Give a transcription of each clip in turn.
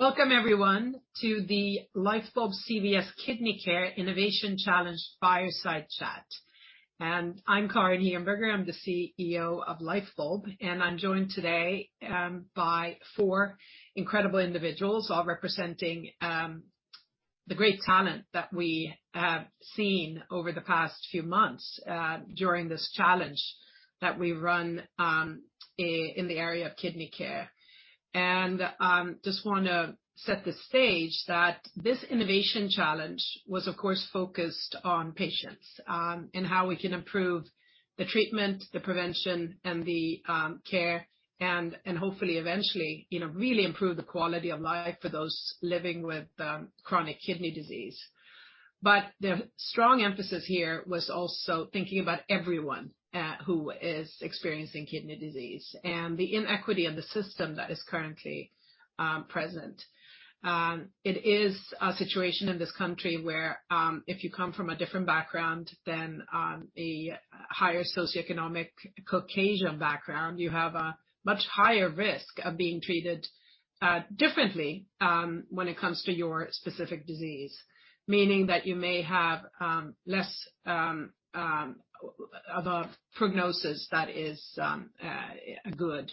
Welcome everyone to the Lyfebulb CVS Kidney Care Innovation Challenge Fireside Chat. I'm Karin Hehenberger, I'm the CEO of Lyfebulb, and I'm joined today by four incredible individuals, all representing the great talent that we have seen over the past few months during this challenge that we run in the area of kidney care. Just wanna set the stage that this innovation challenge was, of course, focused on patients and how we can improve the treatment, the prevention and the care and hopefully eventually, you know, really improve the quality of life for those living with chronic kidney disease. The strong emphasis here was also thinking about everyone who is experiencing kidney disease and the inequity in the system that is currently present. It is a situation in this country where, if you come from a different background than a higher socioeconomic Caucasian background, you have a much higher risk of being treated differently when it comes to your specific disease. Meaning that you may have less of a prognosis that is good.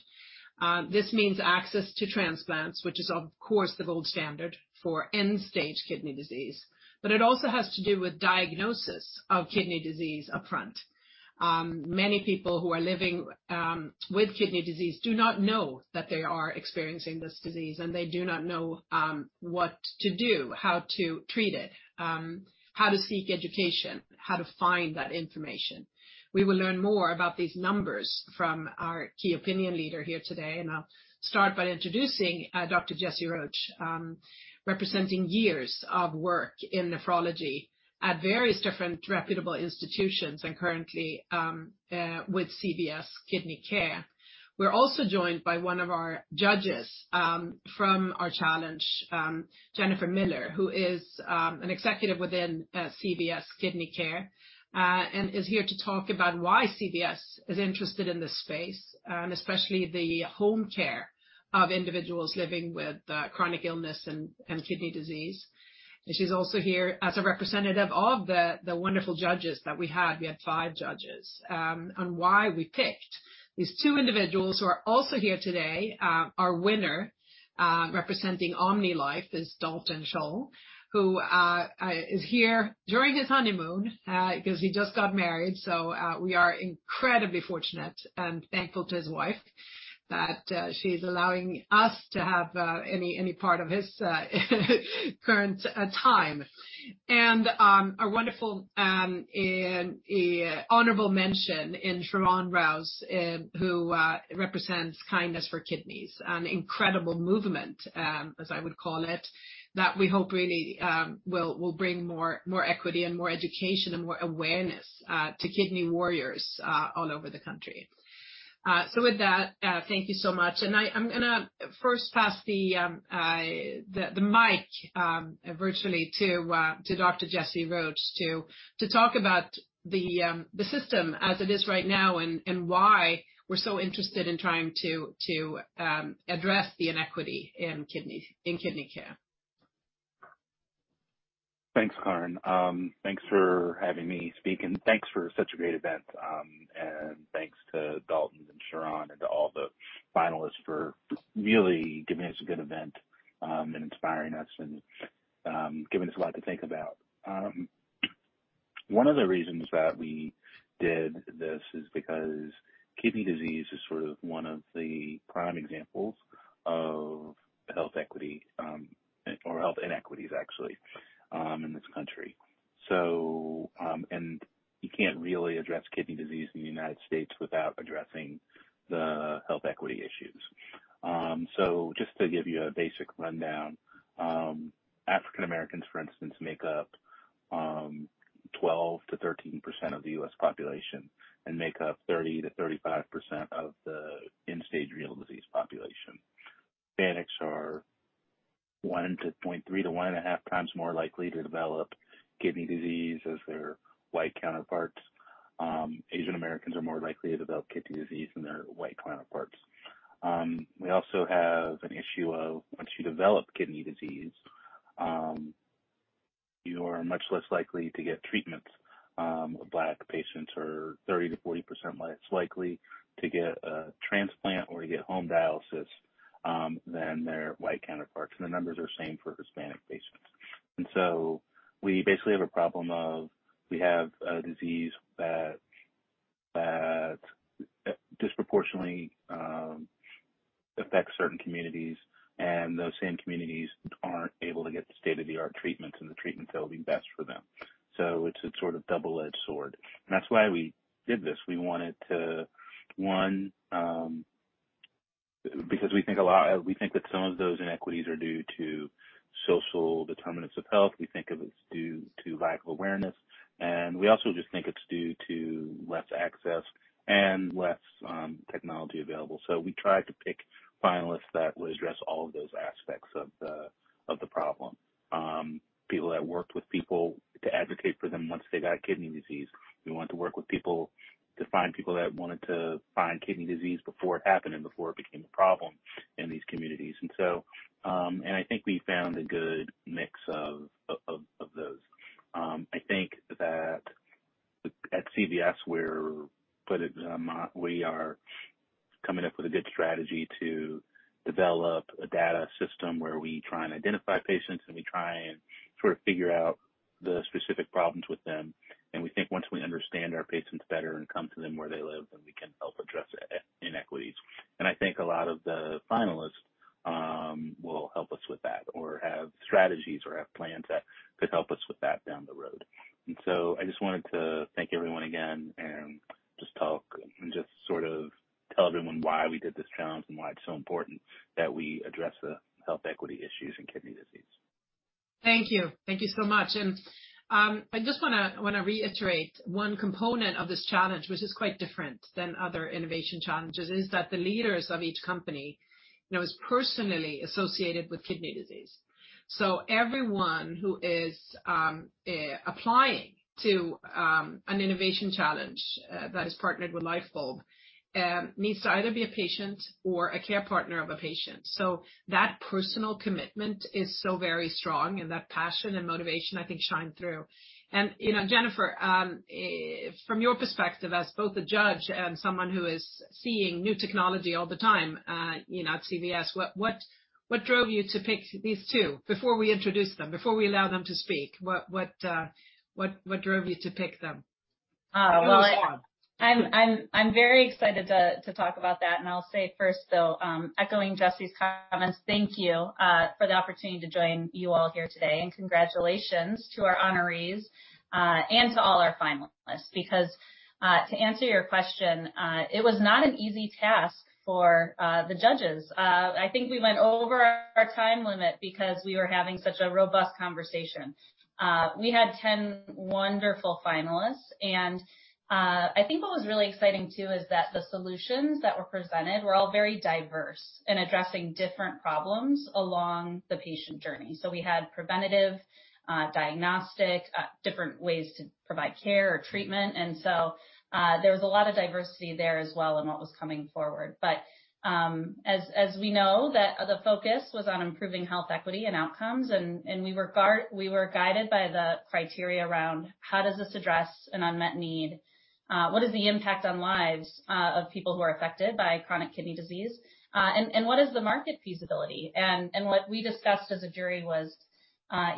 This means access to transplants, which is of course the gold standard for end-stage kidney disease. It also has to do with diagnosis of kidney disease up front. Many people who are living with kidney disease do not know that they are experiencing this disease, and they do not know what to do, how to treat it, how to seek education, how to find that information. We will learn more about these numbers from our key opinion leader here today, and I'll start by introducing Dr. Jesse Roach, representing years of work in nephrology at various different reputable institutions and currently with CVS Kidney Care. We're also joined by one of our judges from our challenge, Jennifer Miller, who is an executive within CVS Kidney Care, and is here to talk about why CVS is interested in this space, and especially the home care of individuals living with chronic illness and kidney disease. She's also here as a representative of the wonderful judges that we had. We had five judges. On why we picked these two individuals who are also here today, our winner, representing OmniLife, is Dalton Shaull, who is here during his honeymoon, 'cause he just got married. We are incredibly fortunate and thankful to his wife that she's allowing us to have any part of his current time. Our wonderful and honorable mention is Sharron Rouse, who represents Kindness for Kidneys, an incredible movement as I would call it, that we hope really will bring more equity and more education and more awareness to Kidney Warriors all over the country. With that, thank you so much. I'm gonna first pass the mic virtually to Dr. Jesse Roach to talk about the system as it is right now and why we're so interested in trying to address the inequity in kidney care. Thanks, Karin. Thanks for having me speak, and thanks for such a great event. And thanks to Dalton and Sharron and to all the finalists for really giving us a good event, and inspiring us and, giving us a lot to think about. One of the reasons that we did this is because kidney disease is sort of one of the prime examples of health equity, or health inequities actually, in this country. You can't really address kidney disease in the United States without addressing the health equity issues. So just to give you a basic rundown, African Americans, for instance, make up 12%-13% of the U.S. population and make up 30%-35% of the end-stage renal disease population. Hispanics are 1.3x to 1.5x more likely to develop kidney disease as their white counterparts. Asian Americans are more likely to develop kidney disease than their white counterparts. We also have an issue of once you develop kidney disease, you are much less likely to get treatment. Black patients are 30%-40% less likely to get a transplant or to get home dialysis than their white counterparts. The numbers are the same for Hispanic patients. We basically have a problem of we have a disease that disproportionately affects certain communities, and those same communities aren't able to get the state-of-the-art treatments and the treatments that'll be best for them. It's a sort of double-edged sword. That's why we did this. We wanted to because we think that some of those inequities are due to social determinants of health. We think that it's due to lack of awareness, and we also just think it's due to less access and less technology available. We tried to pick finalists that would address all of those aspects of the problem. People that worked with people to advocate for them once they got kidney disease. We wanted to work with people to find people that wanted to find kidney disease before it happened and before it became a problem in these communities. I think we found a good mix of those. I think that at CVS we're, we are coming up with a good strategy to develop a data system where we try and identify patients, and we try and sort of figure out the specific problems with them. We think once we understand our patients better and come to them where they live, then we can help address inequities. I think a lot of the finalists will help us with that or have strategies or have plans that could help us with that down the road. I just wanted to thank everyone again and just talk and just sort of tell everyone why we did this challenge and why it's so important that we address the health equity issues in kidney disease. Thank you. Thank you so much. I just wanna reiterate one component of this challenge, which is quite different than other innovation challenges, is that the leaders of each company, you know, is personally associated with kidney disease. Everyone who is applying to an innovation challenge that is partnered with Lyfebulb needs to either be a patient or a care partner of a patient. That personal commitment is so very strong, and that passion and motivation, I think, shine through. You know, Jennifer, from your perspective as both a judge and someone who is seeing new technology all the time, you know, at CVS, what drove you to pick these two before we introduced them, before we allowed them to speak? What drove you to pick them? Oh, well. What was fun? I'm very excited to talk about that, and I'll say first, though, echoing Jesse's comments, thank you for the opportunity to join you all here today. Congratulations to our honorees and to all our finalists, because to answer your question, it was not an easy task for the judges. I think we went over our time limit because we were having such a robust conversation. We had 10 wonderful finalists, and I think what was really exciting too is that the solutions that were presented were all very diverse in addressing different problems along the patient journey. We had preventative, diagnostic, different ways to provide care or treatment. There was a lot of diversity there as well in what was coming forward. As we know that the focus was on improving health equity and outcomes, and we were guided by the criteria around how does this address an unmet need? What is the impact on lives of people who are affected by chronic kidney disease? And what is the market feasibility? What we discussed as a jury was,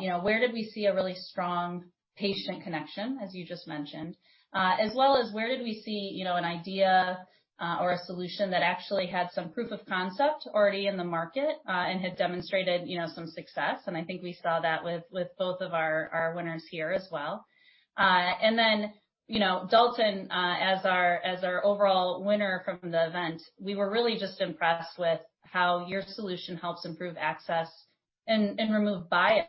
you know, where did we see a really strong patient connection, as you just mentioned, as well as where did we see, you know, an idea or a solution that actually had some proof of concept already in the market and had demonstrated, you know, some success. I think we saw that with both of our winners here as well. You know, Dalton, as our overall winner from the event, we were really just impressed with how your solution helps improve access and remove bias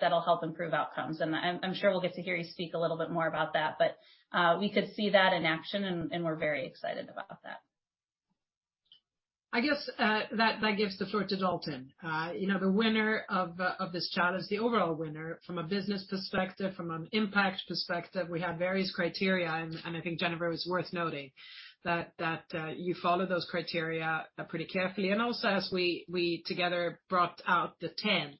that'll help improve outcomes. I'm sure we'll get to hear you speak a little bit more about that, but we could see that in action, and we're very excited about that. I guess that gives the floor to Dalton. You know, the winner of this challenge, the overall winner from a business perspective, from an impact perspective, we had various criteria. I think Jennifer, it was worth noting that you followed those criteria pretty carefully. Also as we together brought out the ten,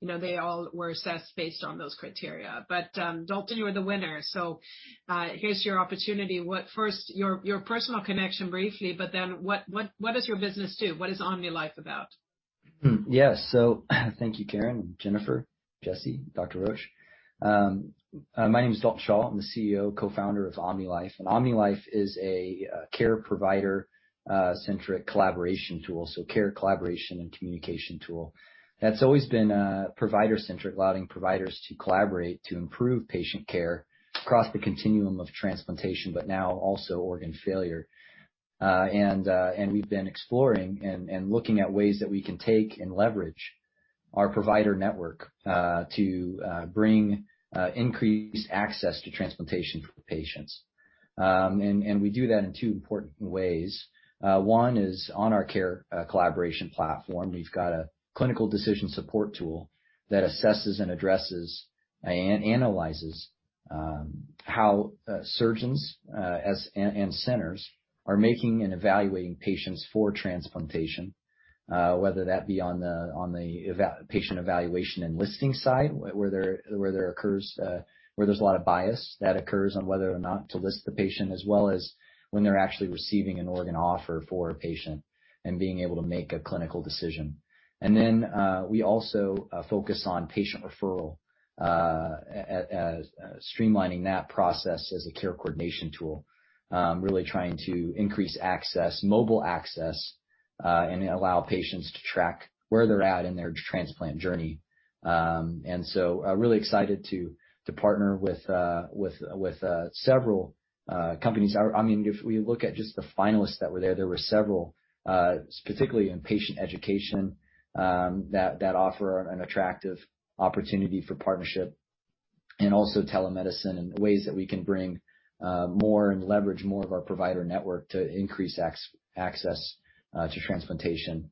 you know, they all were assessed based on those criteria. Dalton, you are the winner. Here's your opportunity. First, your personal connection briefly, but then what does your business do? What is OmniLife about? Hmm. Yes. Thank you, Karin, Jennifer, Jesse, Dr. Roach. My name is Dalton Shaull. I'm the CEO, Co-Founder of OmniLife. OmniLife is a care provider-centric collaboration tool. Care, collaboration, and communication tool. That's always been provider-centric, allowing providers to collaborate to improve patient care across the continuum of transplantation, but now also organ failure. We've been exploring and looking at ways that we can take and leverage our provider network to bring increased access to transplantation for patients. We do that in two important ways. One is on our care collaboration platform. We've got a clinical decision support tool that assesses and addresses and analyzes how surgeons as and Centers are making and evaluating patients for transplantation, whether that be on the patient evaluation and listing side, where there's a lot of bias that occurs on whether or not to list the patient, as well as when they're actually receiving an organ offer for a patient and being able to make a clinical decision. We also focus on patient referral, as streamlining that process as a care coordination tool. Really trying to increase access, mobile access, and allow patients to track where they're at in their transplant journey. Really excited to partner with several companies. I mean, if we look at just the finalists that were there were several, particularly in patient education, that offer an attractive opportunity for partnership. Also telemedicine and ways that we can bring more and leverage more of our provider network to increase access to transplantation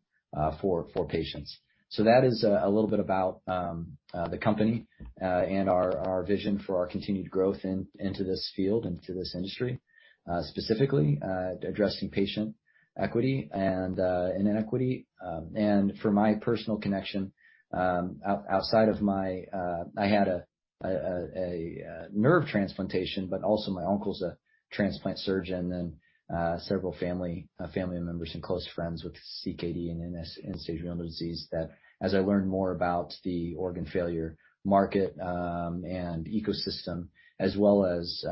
for patients. That is a little bit about the company and our vision for our continued growth into this field, into this industry. Specifically, addressing patient equity and inequity. For my personal connection, outside of my, I had a nerve transplantation, but also my uncle's a transplant surgeon and several family members and close friends with CKD and end-stage renal disease, that as I learned more about the organ failure market and ecosystem as well as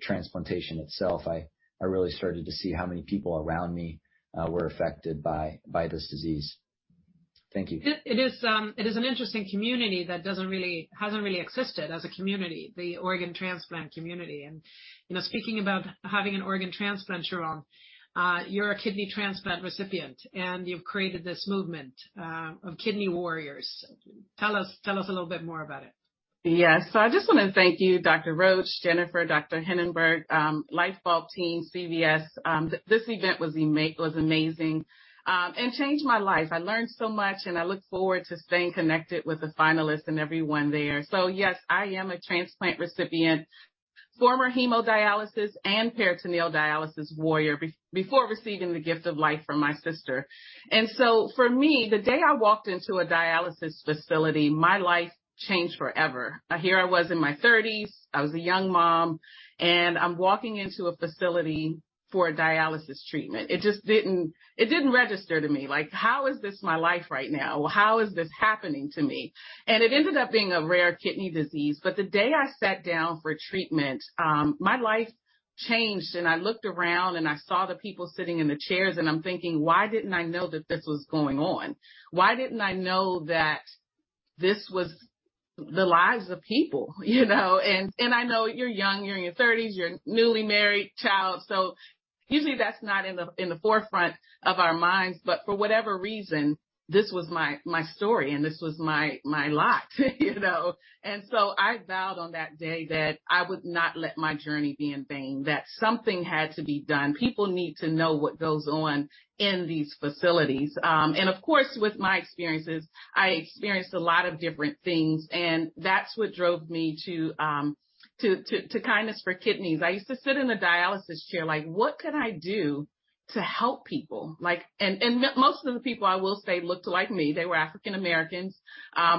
transplantation itself, I really started to see how many people around me were affected by this disease. Thank you. It is an interesting community that hasn't really existed as a community, the organ transplant community. You know, speaking about having an organ transplant, Sharron, you're a kidney transplant recipient, and you've created this movement of Kidney Warriors. Tell us a little bit more about it. Yes. I just wanna thank you, Dr. Roach, Jennifer, Dr. Hehenberger, Lyfebulb team, CVS. This event was amazing, and changed my life. I learned so much, and I look forward to staying connected with the finalists and everyone there. Yes, I am a transplant recipient, former hemodialysis and peritoneal dialysis warrior before receiving the gift of life from my sister. For me, the day I walked into a dialysis facility, my life changed forever. Here I was in my thirties. I was a young mom, and I'm walking into a facility for a dialysis treatment. It just didn't register to me. Like, how is this my life right now? How is this happening to me? It ended up being a rare kidney disease. The day I sat down for treatment, my life changed, and I looked around, and I saw the people sitting in the chairs, and I'm thinking, "Why didn't I know that this was going on? Why didn't I know that this was the lives of people," you know? I know you're young, you're in your thirties, you're newly married, child, so usually that's not in the, in the forefront of our minds. For whatever reason, this was my story and this was my lot, you know? I vowed on that day that I would not let my journey be in vain, that something had to be done. People need to know what goes on in these facilities. Of course, with my experiences, I experienced a lot of different things, and that's what drove me to Kindness for Kidneys. I used to sit in the dialysis chair like, "What could I do to help people?" Like, most of the people, I will say, looked like me. They were African Americans.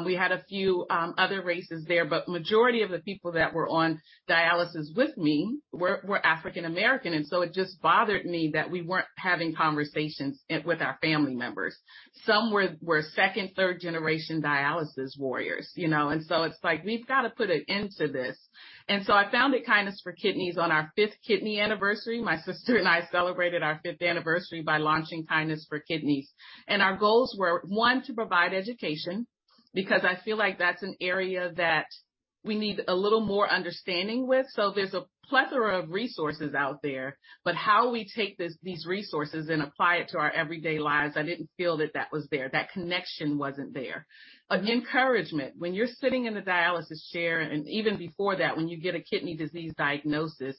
We had a few other races there, but majority of the people that were on dialysis with me were African American, and so it just bothered me that we weren't having conversations with our family members. Some were second, third generation dialysis warriors, you know? It's like we've gotta put an end to this. I founded Kindness for Kidneys on our fifth kidney anniversary. My sister and I celebrated our fifth anniversary by launching Kindness for Kidneys. Our goals were, one, to provide education, because I feel like that's an area that we need a little more understanding with. There's a plethora of resources out there, but how we take these resources and apply it to our everyday lives, I didn't feel that was there. That connection wasn't there. Encouragement. When you're sitting in the dialysis chair and even before that, when you get a kidney disease diagnosis,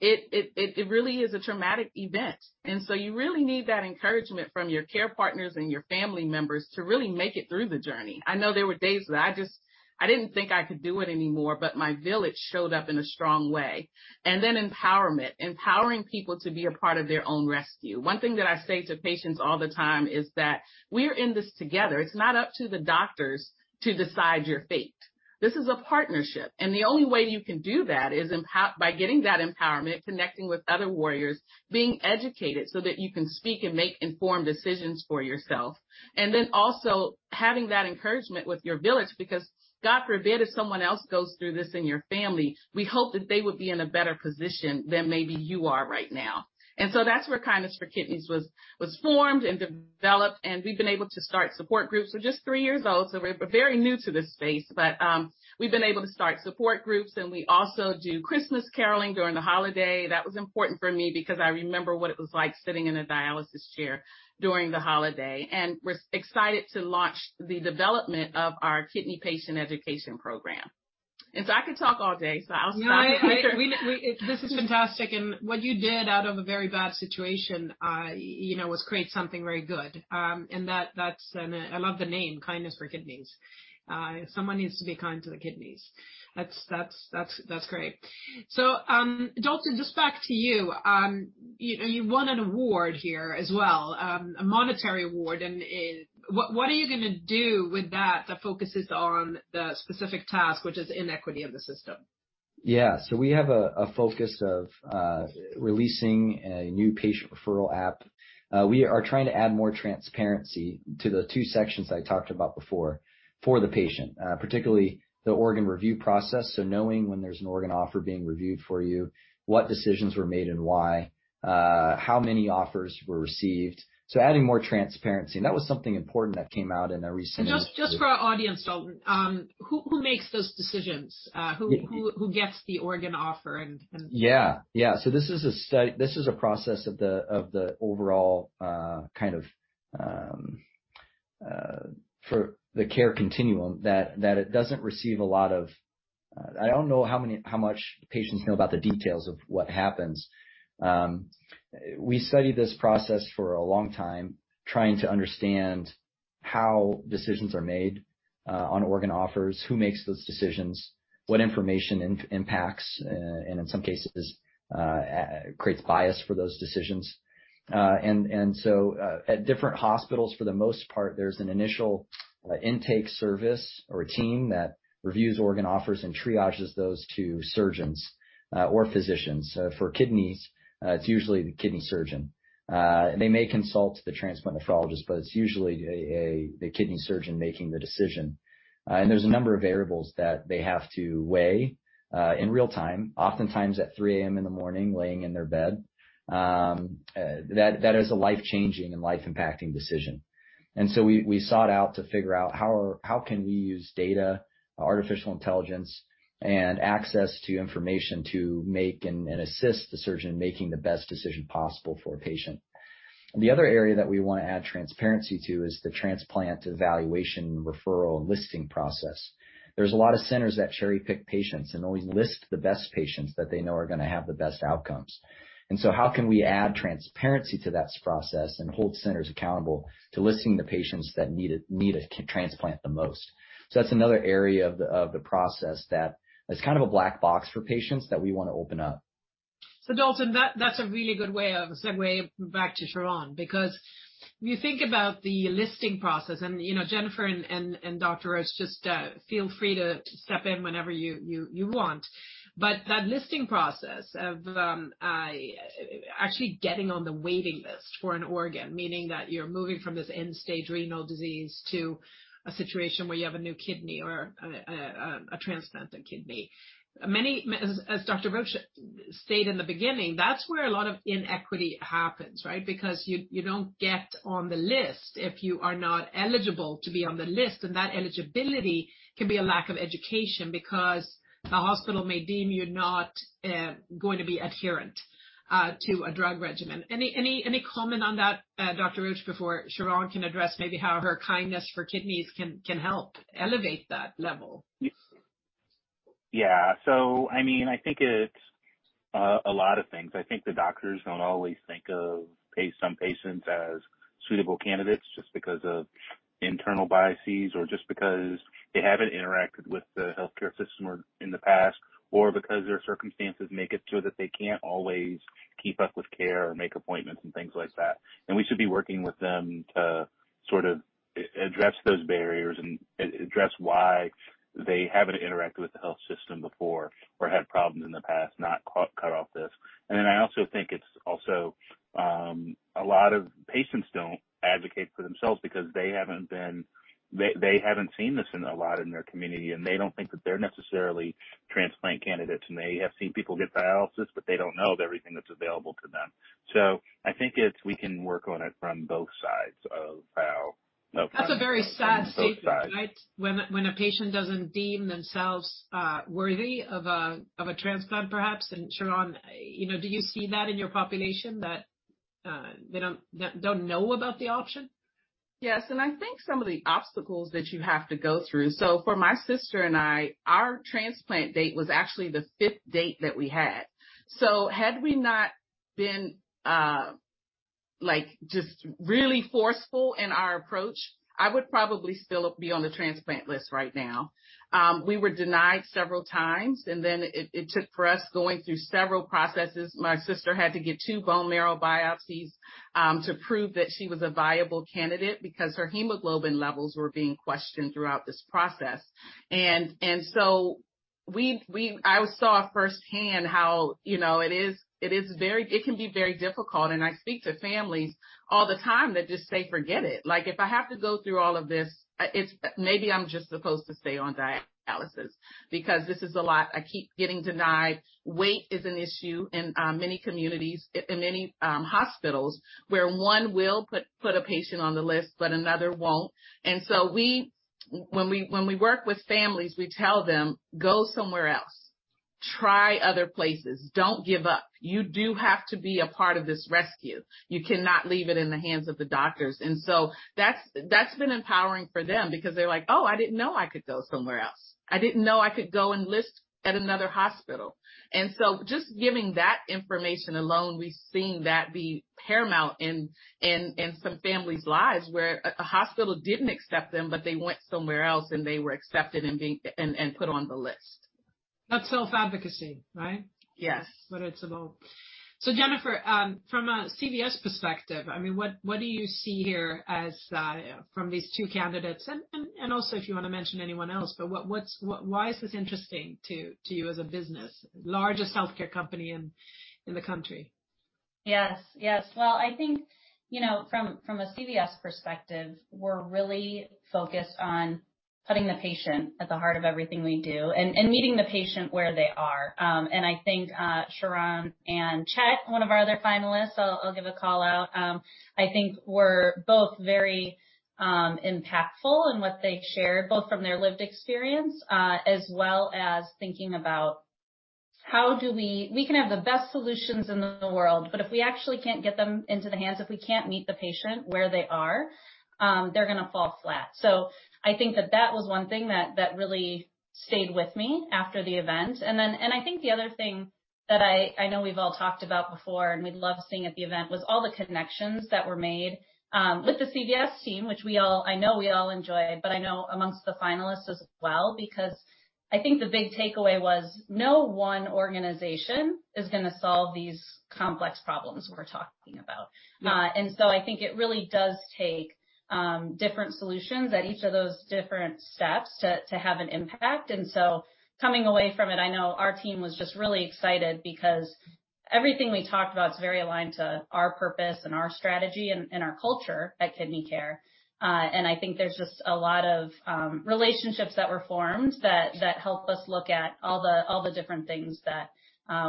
it really is a traumatic event, and you really need that encouragement from your care partners and your family members to really make it through the journey. I know there were days that I just didn't think I could do it anymore, but my village showed up in a strong way. Empowerment. Empowering people to be a part of their own rescue. One thing that I say to patients all the time is that we're in this together. It's not up to the doctors to decide your fate. This is a partnership, and the only way you can do that is by getting that empowerment, connecting with other warriors, being educated so that you can speak and make informed decisions for yourself. Then also having that encouragement with your village because God forbid, if someone else goes through this in your family, we hope that they would be in a better position than maybe you are right now. That's where Kindness for Kidneys was formed and developed, and we've been able to start support groups. We're just three years old, so we're very new to this space. We've been able to start support groups, and we also do Christmas caroling during the holiday. That was important for me because I remember what it was like sitting in a dialysis chair during the holiday. We're excited to launch the development of our kidney patient education program. I could talk all day, so I'll stop here. This is fantastic. What you did out of a very bad situation, you know, was create something very good. I love the name, Kindness for Kidneys. Someone needs to be kind to the kidneys. That's great. Dalton, just back to you. You won an award here as well, a monetary award. What are you gonna do with that that focuses on the specific task, which is inequity of the system? Yeah. We have a focus of releasing a new patient referral app. We are trying to add more transparency to the two sections I talked about before for the patient, particularly the organ review process. Knowing when there's an organ offer being reviewed for you, what decisions were made and why, how many offers were received. Adding more transparency, and that was something important that came out in a recent- Just for our audience, Dalton, who makes those decisions? Who gets the organ offer and- Yeah. This is a process of the overall kind of for the care continuum that it doesn't receive a lot of. I don't know how much patients know about the details of what happens. We studied this process for a long time, trying to understand how decisions are made on organ offers, who makes those decisions, what information impacts and in some cases creates bias for those decisions. At different hospitals, for the most part, there's an initial intake service or team that reviews organ offers and triages those to surgeons or physicians. For kidneys, it's usually the kidney surgeon. They may consult the transplant nephrologist, but it's usually the kidney surgeon making the decision. There's a number of variables that they have to weigh in real-time. Oftentimes at 3 A.M. in the morning, laying in their bed. That is a life-changing and life-impacting decision. We sought out to figure out how can we use data, artificial intelligence, and access to information to make and assist the surgeon in making the best decision possible for a patient. The other area that we wanna add transparency to is the transplant evaluation, referral, and listing process. There's a lot of centers that cherry-pick patients and always list the best patients that they know are gonna have the best outcomes. How can we add transparency to that process and hold centers accountable to listing the patients that need it, need a transplant the most? That's another area of the process that is kind of a black box for patients that we wanna open up. Dalton, that's a really good way of segue back to Sharron because when you think about the listing process and, you know, Jennifer and Dr. Roach just feel free to step in whenever you want. That listing process of actually getting on the waiting list for an organ, meaning that you're moving from this end-stage renal disease to a situation where you have a new kidney or a transplanted kidney. As Dr. Roach stated in the beginning, that's where a lot of inequity happens, right? Because you don't get on the list if you are not eligible to be on the list, and that eligibility can be a lack of education because the hospital may deem you're not going to be adherent to a drug regimen. Any comment on that, Dr. Roach, before Sharron can address maybe how her Kindness for Kidneys can help elevate that level? Yes. Yeah. I mean, I think it's a lot of things. I think the doctors don't always think of some patients as suitable candidates just because of internal biases or just because they haven't interacted with the healthcare system or in the past, or because their circumstances make it so that they can't always keep up with care or make appointments and things like that. We should be working with them to sort of address those barriers and address why they haven't interacted with the health system before or had problems in the past, not cut off this. I also think it's also a lot of patients don't advocate for themselves because they haven't been. They haven't seen a lot of this in their community, and they don't think that they're necessarily transplant candidates, and they have seen people get dialysis, but they don't know of everything that's available to them. I think we can work on it from both sides of how. That's a very sad statement, right? From both sides. When a patient doesn't deem themselves worthy of a transplant perhaps. Sharron, you know, do you see that in your population that they don't know about the option? Yes. I think some of the obstacles that you have to go through. So for my sister and I, our transplant date was actually the fifth date that we had. So had we not been like just really forceful in our approach, I would probably still be on the transplant list right now. We were denied several times, and then it took for us going through several processes. My sister had to get two bone marrow biopsies to prove that she was a viable candidate because her hemoglobin levels were being questioned throughout this process. I saw firsthand how, you know, it is very. It can be very difficult. I speak to families all the time that just say, "Forget it. Like, if I have to go through all of this, it's maybe I'm just supposed to stay on dialysis because this is a lot. I keep getting denied. Weight is an issue in many communities, in many hospitals, where one will put a patient on the list but another won't. When we work with families, we tell them, "Go somewhere else. Try other places. Don't give up. You do have to be a part of this rescue. You cannot leave it in the hands of the doctors." That's been empowering for them because they're like, "Oh, I didn't know I could go somewhere else. I didn't know I could go and list at another hospital." Just giving that information alone, we've seen that be paramount in some families' lives, where a hospital didn't accept them, but they went somewhere else, and they were accepted and put on the list. That's self-advocacy, right? Yes. What it's about. Jennifer, from a CVS perspective, I mean, what do you see here as, from these two candidates and also if you wanna mention anyone else, but why is this interesting to you as a business? Largest healthcare company in the country. Yes, yes. Well, I think, you know, from a CVS perspective, we're really focused on putting the patient at the heart of everything we do and meeting the patient where they are. I think Sharron and Chet, one of our other finalists, I'll give a call-out. I think were both very impactful in what they shared, both from their lived experience, as well as thinking about how we can have the best solutions in the world, but if we actually can't get them into the hands, if we can't meet the patient where they are, they're gonna fall flat. I think that was one thing that really stayed with me after the event. I think the other thing that I know we've all talked about before and we loved seeing at the event was all the connections that were made with the CVS team, which we all, I know we all enjoyed, but I know amongst the finalists as well, because I think the big takeaway was no one organization is gonna solve these complex problems we're talking about. Mm-hmm. I think it really does take different solutions at each of those different steps to have an impact. Coming away from it, I know our team was just really excited because everything we talked about is very aligned to our purpose and our strategy and our culture at Kidney Care. I think there's just a lot of relationships that were formed that help us look at all the different things that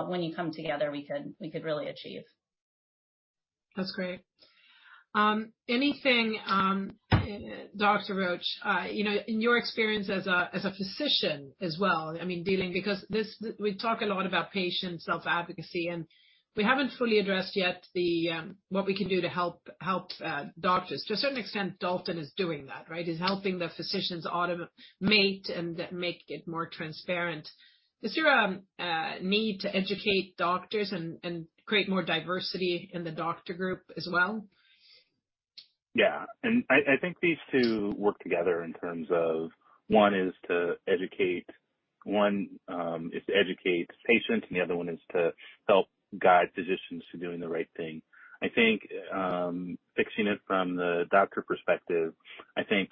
when you come together, we could really achieve. That's great. Anything, Dr. Roach, you know, in your experience as a physician as well, I mean, we talk a lot about patient self-advocacy, and we haven't fully addressed yet the what we can do to help doctors. To a certain extent, Dalton is doing that, right? He's helping the physicians automate and make it more transparent. Is there a need to educate doctors and create more diversity in the doctor group as well? Yeah. I think these two work together in terms of one is to educate patients, and the other one is to help guide physicians to doing the right thing. I think fixing it from the doctor perspective, I think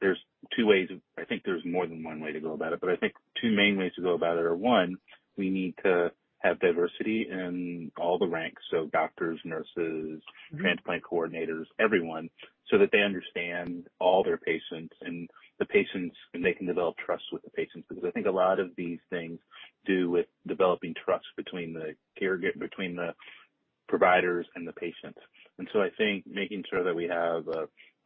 there's two ways. I think there's more than one way to go about it, but I think two main ways to go about it are, one, we need to have diversity in all the ranks, so doctors, nurses. Mm-hmm. Transplant coordinators, everyone, so that they understand all their patients and the patients, and they can develop trust with the patients. Because I think a lot of these things do with developing trust between the providers and the patients. I think making sure that we have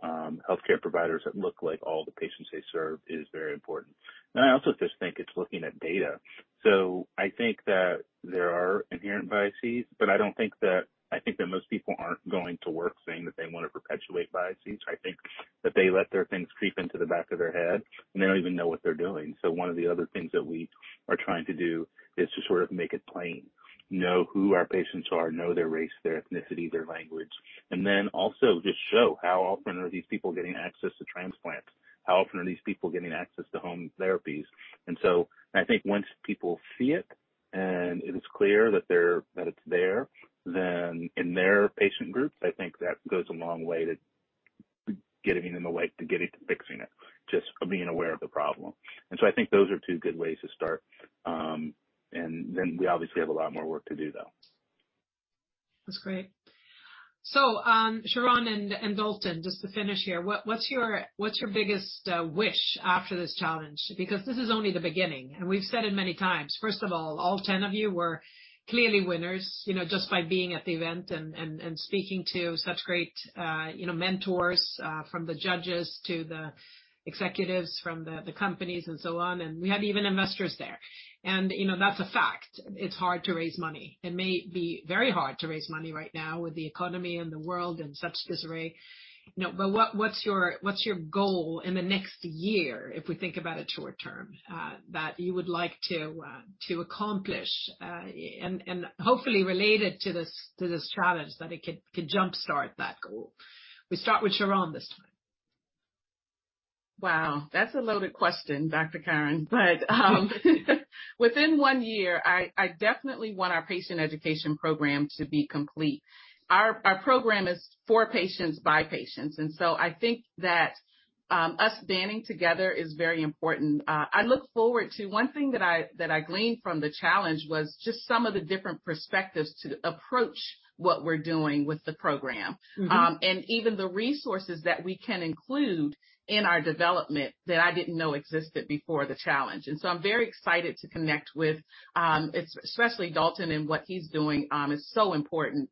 healthcare providers that look like all the patients they serve is very important. I also just think it's looking at data. I think that there are inherent biases, but I don't think that I think that most people aren't going to work saying that they wanna perpetuate biases. I think that they let their things creep into the back of their head, and they don't even know what they're doing. One of the other things that we are trying to do is to sort of make it plain. Know who our patients are, know their race, their ethnicity, their language. Just show how often are these people getting access to transplants? How often are these people getting access to home therapies? I think once people see it and it is clear that it's there, then in their patient groups, I think that goes a long way to getting to fixing it, just being aware of the problem. I think those are two good ways to start. We obviously have a lot more work to do, though. That's great. Sharron and Dalton, just to finish here, what's your biggest wish after this challenge? Because this is only the beginning, and we've said it many times. First of all 10 of you were clearly winners, you know, just by being at the event and speaking to such great you know mentors from the judges to the executives from the companies and so on. We had even investors there. You know, that's a fact. It's hard to raise money. It may be very hard to raise money right now with the economy and the world in such disarray. You know, what's your goal in the next year if we think about it short-term, that you would like to accomplish, and hopefully related to this challenge, that it could jumpstart that goal? We start with Sharron this time. Wow, that's a loaded question, Dr. Karin. Within one year, I definitely want our patient education program to be complete. Our program is for patients by patients, and so I think that us banding together is very important. One thing that I gleaned from the challenge was just some of the different perspectives to approach what we're doing with the program. Mm-hmm. Even the resources that we can include in our development that I didn't know existed before the challenge. I'm very excited to connect with, especially Dalton and what he's doing is so important.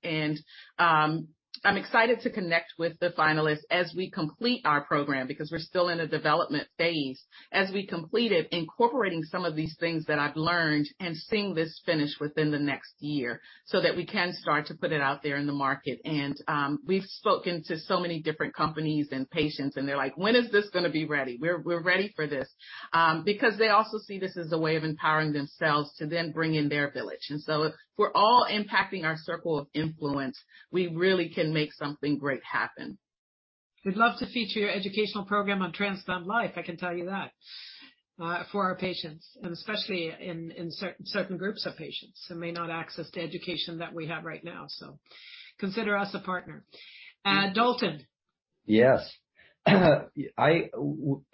I'm excited to connect with the finalists as we complete our program because we're still in a development phase. As we complete it, incorporating some of these things that I've learned and seeing this finish within the next year so that we can start to put it out there in the market. We've spoken to so many different companies and patients, and they're like, "When is this gonna be ready? We're ready for this." Because they also see this as a way of empowering themselves to then bring in their village. If we're all impacting our circle of influence, we really can make something great happen. We'd love to feature your educational program on TransplantLyfe, I can tell you that, for our patients, and especially in certain groups of patients who may not access the education that we have right now. Consider us a partner. Dalton. Yes. At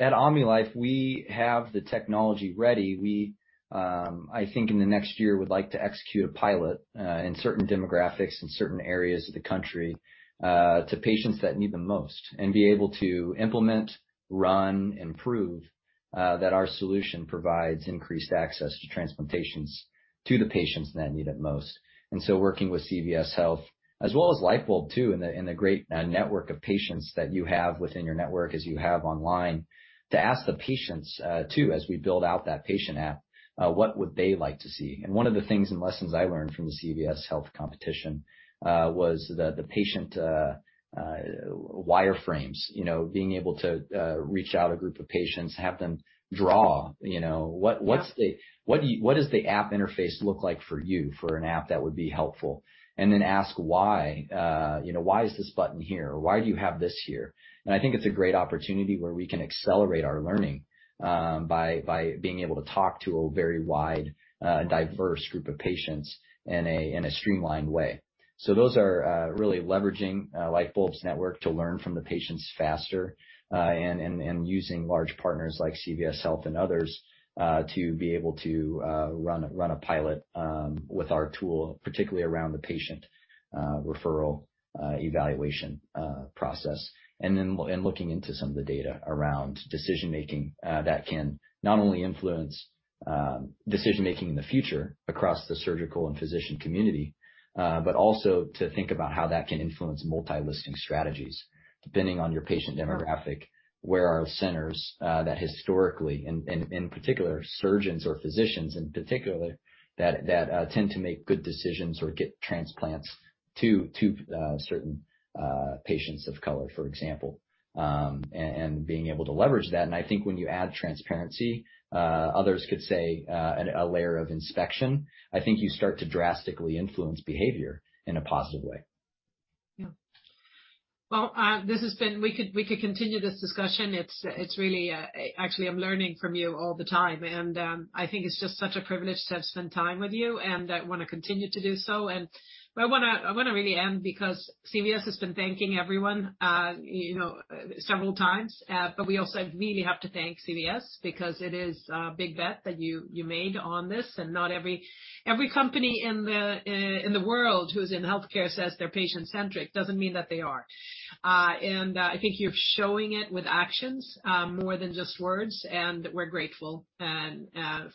OmniLife, we have the technology ready. We, I think in the next year would like to execute a pilot, in certain demographics, in certain areas of the country, to patients that need the most and be able to implement, run, that our solution provides increased access to transplantations to the patients that need it most. Working with CVS Health as well as Lyfebulb too, and the great network of patients that you have within your network as you have online, to ask the patients too, as we build out that patient app, what would they like to see? One of the things and lessons I learned from the CVS Health competition was the patient wireframes. You know, being able to reach out to a group of patients, have them draw, you know. Yeah. What does the app interface look like for you for an app that would be helpful? Then ask why, you know, why is this button here? Why do you have this here? I think it's a great opportunity where we can accelerate our learning by being able to talk to a very wide diverse group of patients in a streamlined way. Those are really leveraging Lyfebulb's network to learn from the patients faster and using large partners like CVS Health and others to be able to run a pilot with our tool, particularly around the patient referral evaluation process. Looking into some of the data around decision-making that can not only influence decision-making in the future across the surgical and physician community, but also to think about how that can influence multi-listing strategies depending on your patient demographic. Where are centers that historically, and in particular surgeons or physicians in particular that tend to make good decisions or get transplants to certain patients of color, for example, and being able to leverage that. I think when you add transparency, others could say a layer of inspection. I think you start to drastically influence behavior in a positive way. Yeah. Well, we could continue this discussion. It's really, actually, I'm learning from you all the time and I think it's just such a privilege to have spent time with you and I wanna continue to do so. I wanna really end because CVS has been thanking everyone, you know, several times. We also really have to thank CVS because it is a big bet that you made on this. Not every company in the world who's in healthcare says they're patient-centric. It doesn't mean that they are. I think you're showing it with actions more than just words, and we're grateful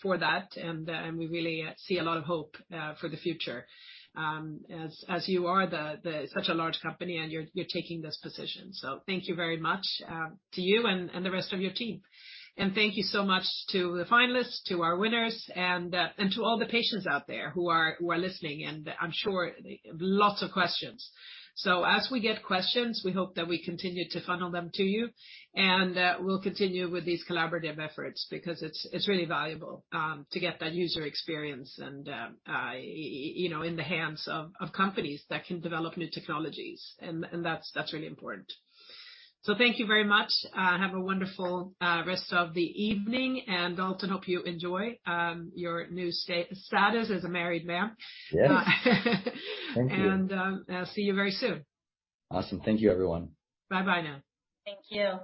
for that. We really see a lot of hope for the future, as you are such a large company and you're taking this position. Thank you very much to you and the rest of your team. Thank you so much to the finalists, to our winners and to all the patients out there who are listening, and I'm sure lots of questions. As we get questions, we hope that we continue to funnel them to you, and we'll continue with these collaborative efforts because it's really valuable to get that user experience and you know, in the hands of companies that can develop new technologies. That's really important. Thank you very much. Have a wonderful rest of the evening, and Dalton, hope you enjoy your new status as a married man. Yes. Thank you. See you very soon. Awesome. Thank you everyone. Bye bye now. Thank you.